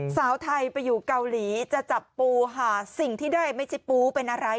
สาวไทยไปอยู่เกาหลีจะจับปูหาสิ่งที่ได้ไม่ใช่ปูเป็นอะไร